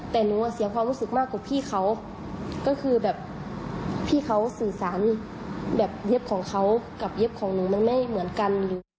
แต่หนูเสียความรู้สึกมากกว่าพี่เขาก็คือแบบพี่เขาสื่อสารแบบเย็บของเขากับเย็บของหนูมันไม่เหมือนกัน